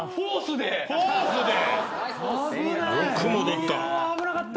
よく戻った。